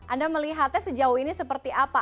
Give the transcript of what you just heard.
anda melihatnya sejauh ini seperti apa